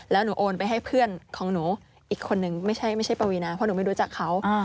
แล้วหนูโอนไปให้เพื่อนของหนูอีกคนนึงไม่ใช่ปวีนาเพราะหนูไม่รู้จักเขา